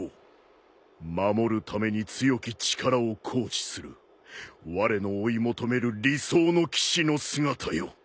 守るために強き力を行使するわれの追い求める理想の騎士の姿よ。